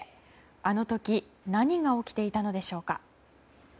あの時何が起きていたのでしょうか。